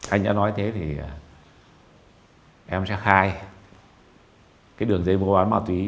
anh đã nói thế thì em sẽ khai cái đường dây vụ án màu tí